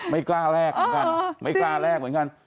ไม่กล้าแลกเหมือนกัน